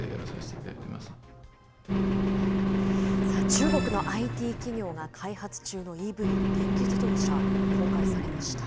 中国のＩＴ企業が開発中のＥＶ・電気自動車が公開されました。